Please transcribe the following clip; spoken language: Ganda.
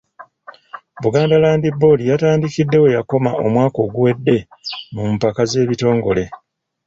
Buganda Land Board yatandikidde we yakoma omwaka oguwedde mu mpaka z'ebitongole.